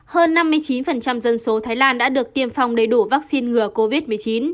hơn năm mươi chín dân số thái lan đã được tiêm phòng đầy đủ vaccine ngừa covid một mươi chín